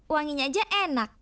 wanginya aja enak